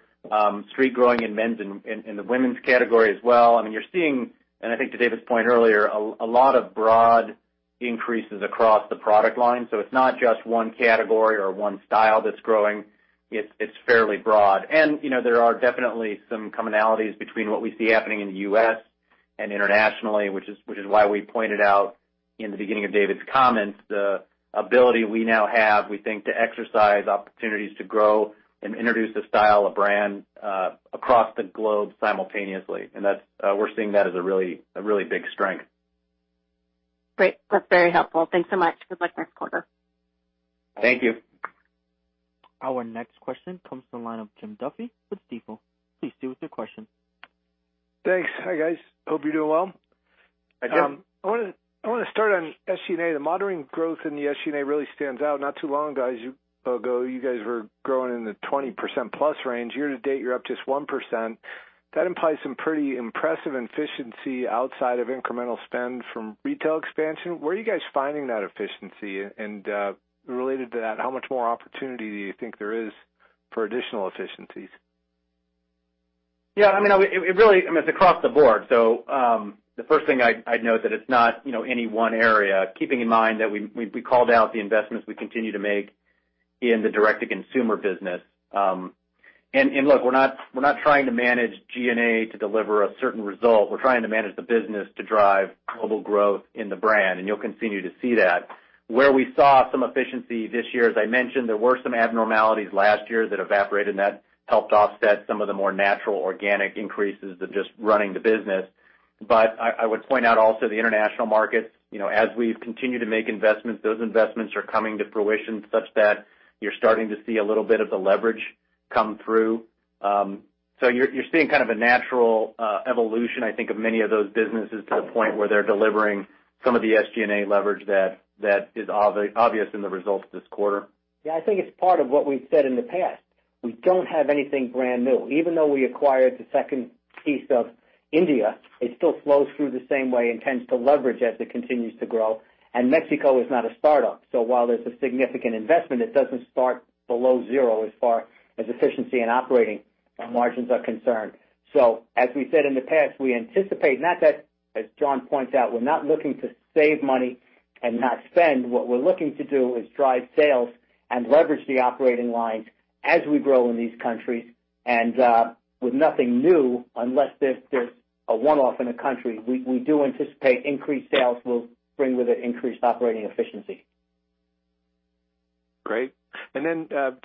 Street growing in men's and in the women's category as well. You're seeing, and I think to David's point earlier, a lot of broad increases across the product line. It's not just one category or one style that's growing. It's fairly broad. There are definitely some commonalities between what we see happening in the U.S. and internationally, which is why we pointed out in the beginning of David's comments, the ability we now have, we think, to exercise opportunities to grow and introduce a style, a brand, across the globe simultaneously. We're seeing that as a really big strength. Great. That's very helpful. Thanks so much. Good luck next quarter. Thank you. Our next question comes from the line of Jim Duffy with Stifel. Please do with your question. Thanks. Hi, guys. Hope you're doing well. Hi, Jim. I want to start on SG&A. The moderate growth in the SG&A really stands out. Not too long ago, you guys were growing in the 20% plus range. Year to date, you're up just 1%. That implies some pretty impressive efficiency outside of incremental spend from retail expansion. Where are you guys finding that efficiency? Related to that, how much more opportunity do you think there is for additional efficiencies? Yeah. It's across the board. The first thing I'd note that it's not any one area. Keeping in mind that we called out the investments we continue to make in the direct-to-consumer business. Look, we're not trying to manage G&A to deliver a certain result. We're trying to manage the business to drive global growth in the brand, and you'll continue to see that. Where we saw some efficiency this year, as I mentioned, there were some abnormalities last year that evaporated, and that helped offset some of the more natural organic increases of just running the business. I would point out also the international markets. As we've continued to make investments, those investments are coming to fruition such that you're starting to see a little bit of the leverage come through. You're seeing kind of a natural evolution, I think, of many of those businesses to the point where they're delivering some of the SG&A leverage that is obvious in the results this quarter. Yeah. I think it's part of what we've said in the past. We don't have anything brand new. Even though we acquired the second piece of India, it still flows through the same way and tends to leverage as it continues to grow. Mexico is not a startup, so while there's a significant investment, it doesn't start below zero as far as efficiency and operating margins are concerned. As we said in the past, we anticipate, not that, as John points out, we're not looking to save money and not spend. What we're looking to do is drive sales and leverage the operating lines as we grow in these countries. With nothing new, unless there's a one-off in a country, we do anticipate increased sales will bring with it increased operating efficiency. Great.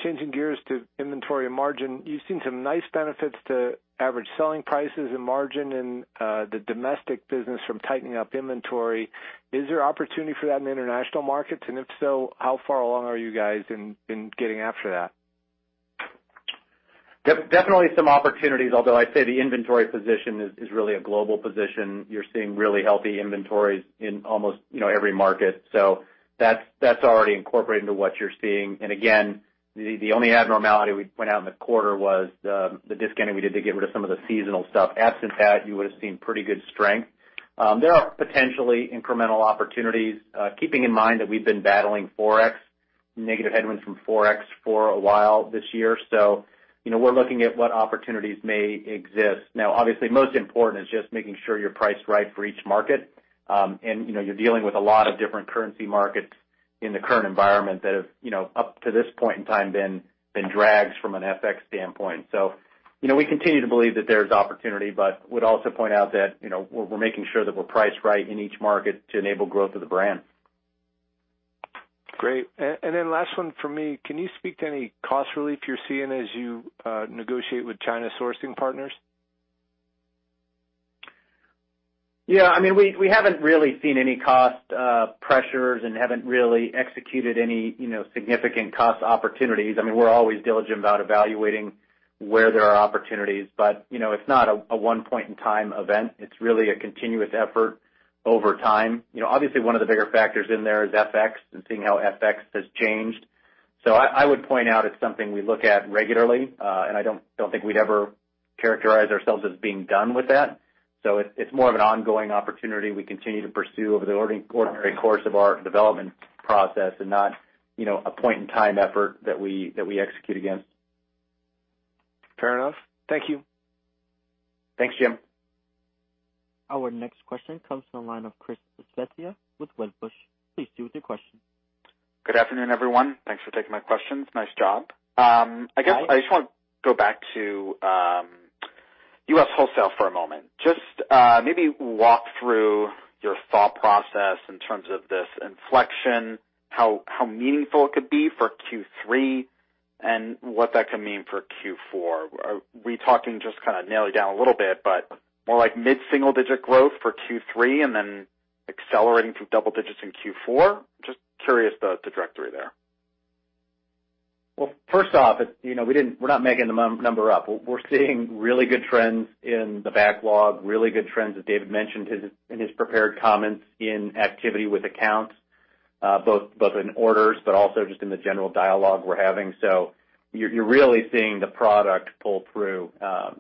Changing gears to inventory and margin. You've seen some nice benefits to average selling prices and margin in the domestic business from tightening up inventory. Is there opportunity for that in the international markets? If so, how far along are you guys in getting after that? Definitely some opportunities. Although I'd say the inventory position is really a global position. You're seeing really healthy inventories in almost every market. That's already incorporated into what you're seeing. Again, the only abnormality we point out in the quarter was the discounting we did to get rid of some of the seasonal stuff. Absent that, you would've seen pretty good strength. There are potentially incremental opportunities. Keeping in mind that we've been battling negative headwinds from Forex for a while this year, we're looking at what opportunities may exist. Obviously, most important is just making sure you're priced right for each market. You're dealing with a lot of different currency markets in the current environment that have, up to this point in time, been drags from an FX standpoint. We continue to believe that there's opportunity, would also point out that we're making sure that we're priced right in each market to enable growth of the brand. Great. Last one from me. Can you speak to any cost relief you're seeing as you negotiate with China sourcing partners? Yeah. We haven't really seen any cost pressures and haven't really executed any significant cost opportunities. We're always diligent about evaluating where there are opportunities, but it's not a one point in time event. It's really a continuous effort over time. Obviously, one of the bigger factors in there is FX and seeing how FX has changed. I would point out it's something we look at regularly. I don't think we'd ever characterize ourselves as being done with that. It's more of an ongoing opportunity we continue to pursue over the ordinary course of our development process and not a point in time effort that we execute against. Fair enough. Thank you. Thanks, Jim. Our next question comes from the line of Chris Pisettia with Wedbush. Please do with your question. Good afternoon, everyone. Thanks for taking my questions. Nice job. Hi. I just want to go back to U.S. wholesale for a moment. Just maybe walk through your thought process in terms of this inflection, how meaningful it could be for Q3, and what that can mean for Q4. Are we talking just kind of nailing down a little bit, but more like mid-single digit growth for Q3 and then accelerating through double digits in Q4? Just curious the trajectory there. Well, first off, we're not making the number up. We're seeing really good trends in the backlog, really good trends that David mentioned in his prepared comments in activity with accounts, both in orders but also just in the general dialogue we're having. You're really seeing the product pull through,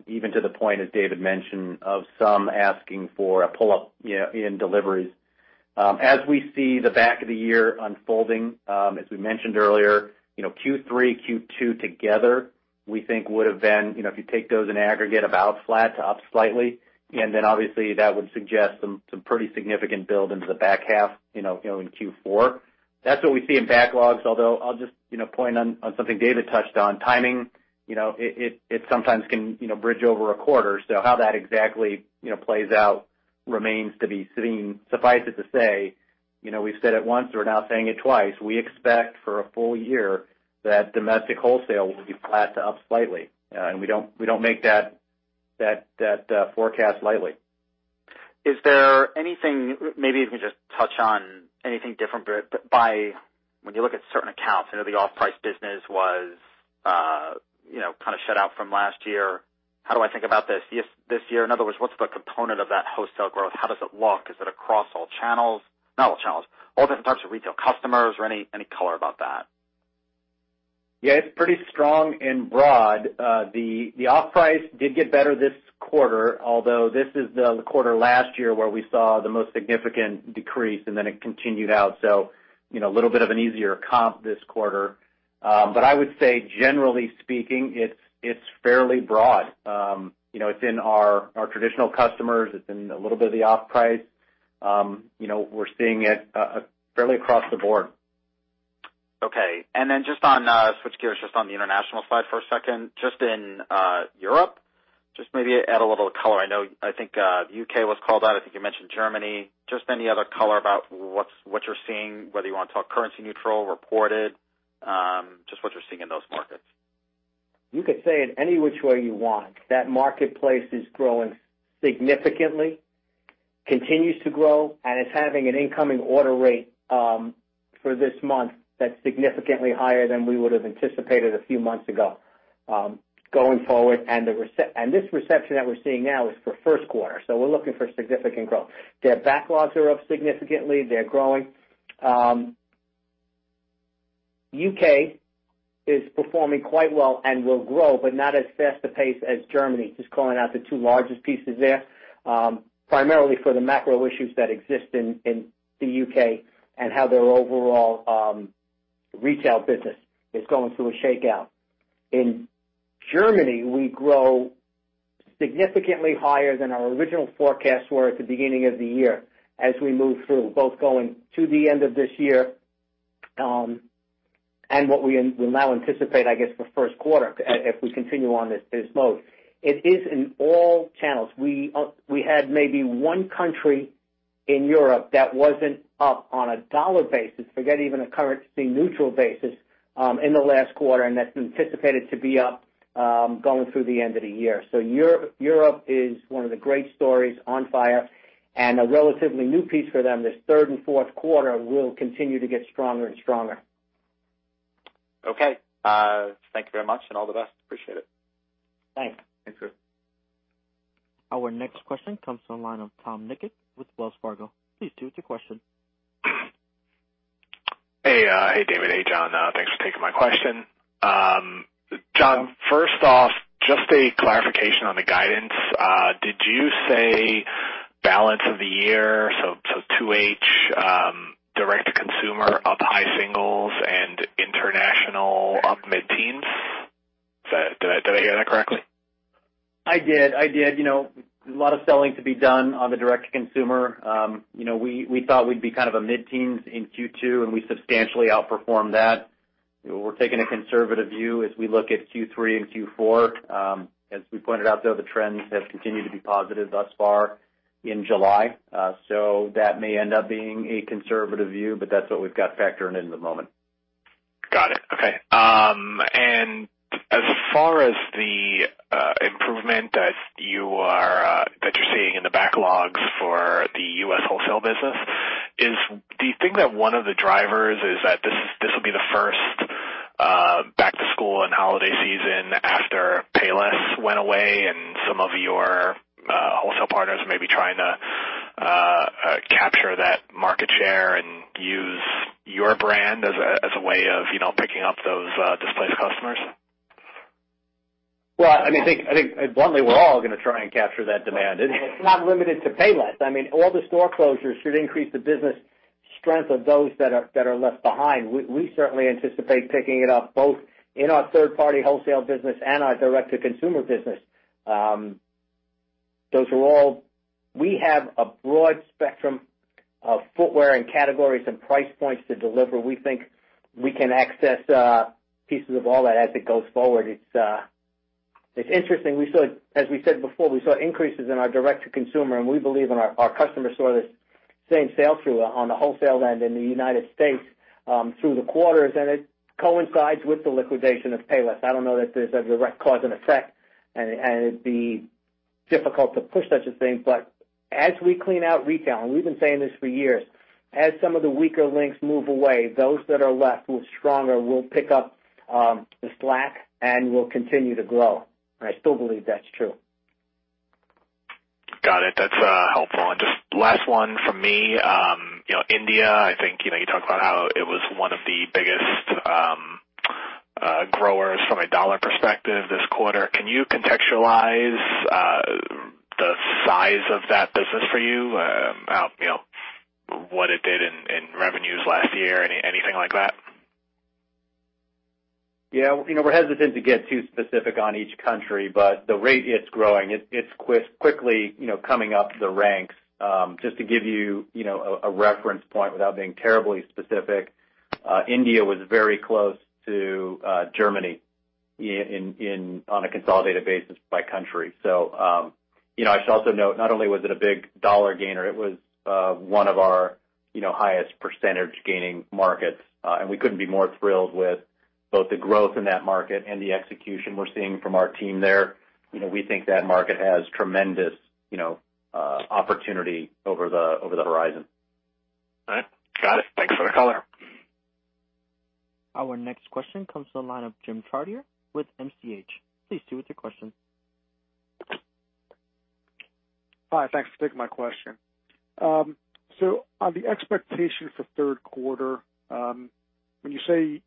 even to the point, as David mentioned, of some asking for a pull-up in deliveries. As we see the back of the year unfolding, as we mentioned earlier, Q3, Q2 together, we think would've been, if you take those in aggregate, about flat to up slightly. Obviously, that would suggest some pretty significant build into the back half in Q4. That's what we see in backlogs, although I'll just point on something David touched on, timing. It sometimes can bridge over a quarter. How that exactly plays out remains to be seen. Suffice it to say, we said it once, we're now saying it twice. We expect for a full year that domestic wholesale will be flat to up slightly. We don't make that forecast lightly. Is there anything, maybe you can just touch on anything different by when you look at certain accounts. I know the off-price business was kind of shut out from last year. How do I think about this year? In other words, what's the component of that wholesale growth? How does it look? Is it across all channels? Not all channels. All different types of retail customers or any color about that? Yeah, it's pretty strong and broad. The off-price did get better this quarter, although this is the quarter last year where we saw the most significant decrease. Then it continued out. A little bit of an easier comp this quarter. I would say, generally speaking, it's fairly broad. It's in our traditional customers, it's in a little bit of the off-price. We're seeing it fairly across the board. Okay. Then switch gears just on the international side for a second. Just in Europe, just maybe add a little color. I think U.K. was called out. I think you mentioned Germany. Just any other color about what you're seeing, whether you want to talk currency neutral, reported, just what you're seeing in those markets. You could say it any which way you want. That marketplace is growing significantly, continues to grow, and it's having an incoming order rate for this month that's significantly higher than we would've anticipated a few months ago. Going forward, this reception that we're seeing now is for first quarter. We're looking for significant growth. Their backlogs are up significantly. They're growing. U.K. is performing quite well and will grow, but not as fast a pace as Germany. Just calling out the two largest pieces there. Primarily for the macro issues that exist in the U.K. and how their overall retail business is going through a shakeout. In Germany, we grow significantly higher than our original forecasts were at the beginning of the year as we move through, both going to the end of this year, and what we now anticipate, I guess, for first quarter, if we continue on this mode. It is in all channels. We had maybe one country in Europe that wasn't up on a dollar basis, forget even a currency neutral basis, in the last quarter, and that's anticipated to be up, going through the end of the year. Europe is one of the great stories on fire, and a relatively new piece for them. This third and fourth quarter will continue to get stronger and stronger. Okay. Thank you very much and all the best. Appreciate it. Thanks. Thanks. Our next question comes from the line of Tom Nikic with Wells Fargo. Please proceed with your question. Hey, David. Hey, John. Thanks for taking my question. John, first off, just a clarification on the guidance. Did you say balance of the year, so 2H, direct to consumer up high singles and international up mid-teens? Did I hear that correctly? I did. A lot of selling to be done on the direct to consumer. We thought we'd be kind of a mid-teens in Q2, and we substantially outperformed that. We're taking a conservative view as we look at Q3 and Q4. As we pointed out, though, the trends have continued to be positive thus far in July. That may end up being a conservative view, but that's what we've got factored in at the moment. Got it. Okay. As far as the improvement that you're seeing in the backlogs for the U.S. wholesale business is, do you think that one of the drivers is that this will be the first back to school and holiday season after Payless went away and some of your wholesale partners may be trying to capture that market share and use your brand as a way of picking up those displaced customers? Well, I think bluntly, we're all going to try and capture that demand. It's not limited to Payless. I mean, all the store closures should increase the business strength of those that are left behind. We certainly anticipate picking it up both in our third-party wholesale business and our direct to consumer business. Those are all. We have a broad spectrum of footwear and categories and price points to deliver. We think we can access pieces of all that as it goes forward. It's interesting. As we said before, we saw increases in our direct to consumer, and we believe and our customers saw this same sale through on the wholesale end in the U.S., through the quarters, and it coincides with the liquidation of Payless. I don't know that there's a direct cause and effect, and it'd be difficult to push such a thing. As we clean out retail, and we've been saying this for years, as some of the weaker links move away, those that are left who are stronger will pick up the slack and will continue to grow. I still believe that's true. Got it. That's helpful. Just last one from me. India, I think you talked about how it was one of the biggest growers from a dollar perspective this quarter. Can you contextualize the size of that business for you? What it did in revenues last year, anything like that? Yeah. We're hesitant to get too specific on each country, but the rate it's growing, it's quickly coming up the ranks. Just to give you a reference point without being terribly specific, India was very close to Germany on a consolidated basis by country. I should also note, not only was it a big dollar gainer, it was one of our highest % gaining markets. We couldn't be more thrilled with both the growth in that market and the execution we're seeing from our team there. We think that market has tremendous opportunity over the horizon. All right. Got it. Thanks for the color. Our next question comes from the line of Jim Chartier with MCH. Please do with your question. Hi, thanks for taking my question. On the expectations for third quarter, when you say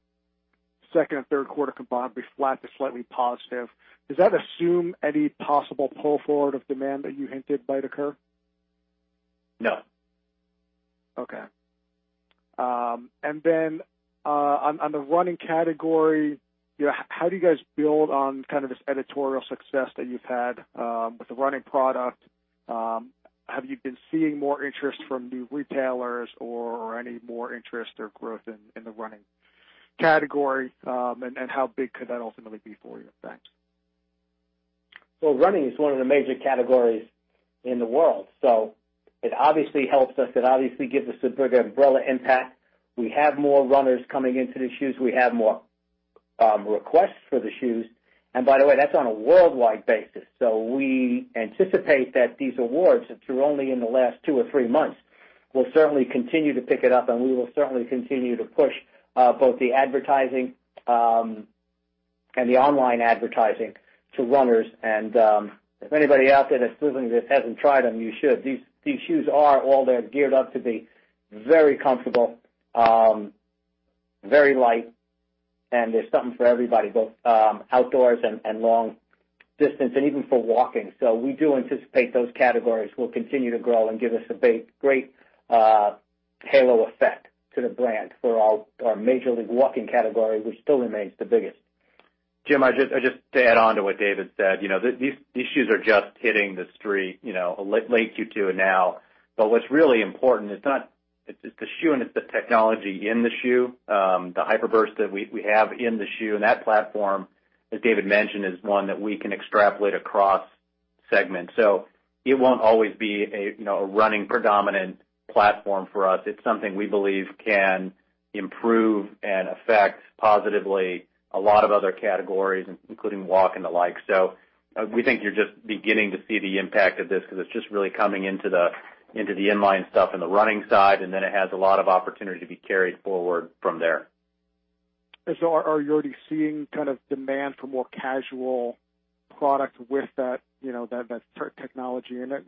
second and third quarter combined will be flat to slightly positive, does that assume any possible pull forward of demand that you hinted might occur? No. Okay. On the running category, how do you guys build on kind of this editorial success that you've had with the running product? Have you been seeing more interest from new retailers or any more interest or growth in the running category? How big could that ultimately be for you? Thanks. Running is one of the major categories in the world. It obviously helps us, it obviously gives us a bigger umbrella impact. We have more runners coming into the shoes. We have more requests for the shoes. By the way, that's on a worldwide basis. We anticipate that these awards, which were only in the last two or three months, will certainly continue to pick it up, and we will certainly continue to push both the advertising and the online advertising to runners. If anybody out there that's listening to this hasn't tried them, you should. These shoes are all they're geared up to be very comfortable, very light, and there's something for everybody, both outdoors and long distance, and even for walking. We do anticipate those categories will continue to grow and give us a great halo effect to the brand for our major league walking category, which still remains the biggest. Jim, just to add on to what David said. These shoes are just hitting the street late Q2 and now. What's really important, it's the shoe and it's the technology in the shoe, the HYPER BURST that we have in the shoe, and that platform, as David mentioned, is one that we can extrapolate across segments. It won't always be a running predominant platform for us. It's something we believe can improve and affect positively a lot of other categories, including walk and the like. We think you're just beginning to see the impact of this because it's just really coming into the in-line stuff and the running side, and then it has a lot of opportunity to be carried forward from there. Are you already seeing kind of demand for more casual product with that technology in it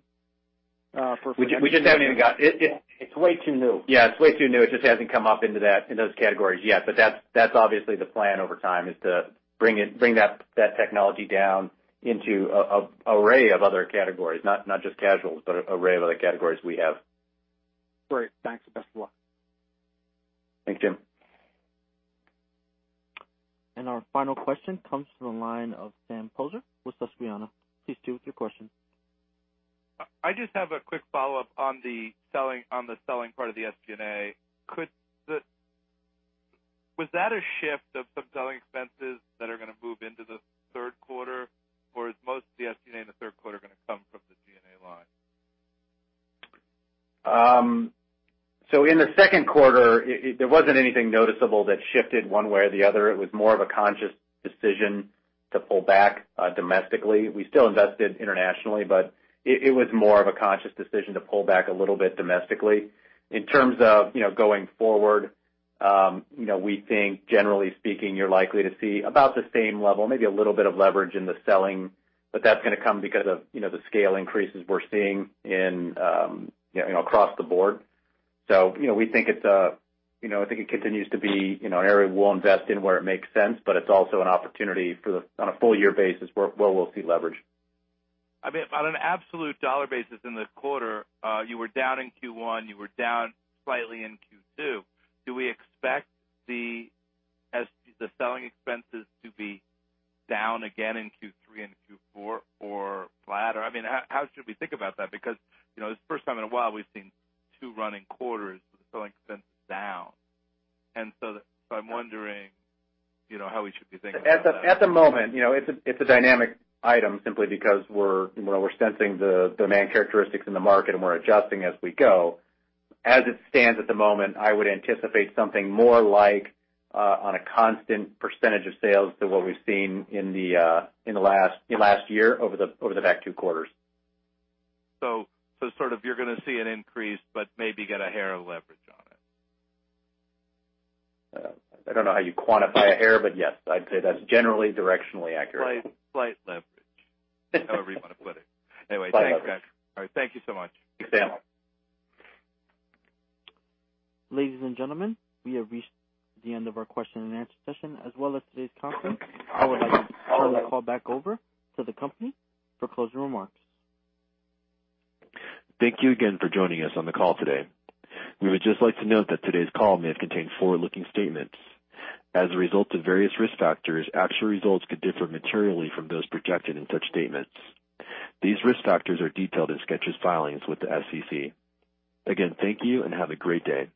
for? We just haven't even got. It's way too new. Yeah, it's way too new. It just hasn't come up into those categories yet. That's obviously the plan over time, is to bring that technology down into an array of other categories. Not just casuals, but array of other categories we have. Great. Thanks. Best of luck. Thanks, Jim. Our final question comes from the line of Sam Poser with Susquehanna. Please do with your question. I just have a quick follow-up on the selling part of the SG&A. Was that a shift of some selling expenses that are going to move into the third quarter, or is most of the SG&A in the third quarter going to come from the G&A line? In the second quarter, there wasn't anything noticeable that shifted one way or the other. It was more of a conscious decision to pull back domestically. We still invested internationally, but it was more of a conscious decision to pull back a little bit domestically. In terms of going forward, we think generally speaking, you're likely to see about the same level, maybe a little bit of leverage in the selling, but that's going to come because of the scale increases we're seeing across the board. I think it continues to be an area we'll invest in where it makes sense, but it's also an opportunity on a full year basis where we'll see leverage. On an absolute dollar basis in the quarter, you were down in Q1, you were down slightly in Q2. Do we expect the selling expenses to be down again in Q3 and Q4 or flat? Or how should we think about that? Because this is the first time in a while we've seen two running quarters with selling expenses down. I'm wondering how we should be thinking about that. At the moment, it's a dynamic item simply because we're sensing the demand characteristics in the market, and we're adjusting as we go. As it stands at the moment, I would anticipate something more like on a constant percentage of sales to what we've seen in the last year over the back two quarters. Sort of you're going to see an increase, but maybe get a hair of leverage on it. I don't know how you quantify a hair, but yes, I'd say that's generally directionally accurate. Slight leverage. However you want to put it. Anyway, thanks, guys. All right. Thank you so much. Thanks, Sam. Ladies and gentlemen, we have reached the end of our question and answer session as well as today's conference. I would like to turn the call back over to the company for closing remarks. Thank you again for joining us on the call today. We would just like to note that today's call may have contained forward-looking statements. As a result of various risk factors, actual results could differ materially from those projected in such statements. These risk factors are detailed in Skechers' filings with the SEC. Again, thank you and have a great day.